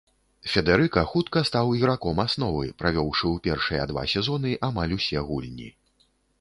Федэрыка хутка стаў іграком асновы, правёўшы ў першыя два сезоны амаль усе гульні.